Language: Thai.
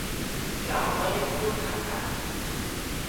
เราไม่ได้พูดคำนั้น